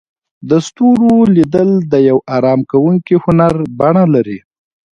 د ستورو لیدل د یو آرام کوونکي هنر بڼه لري.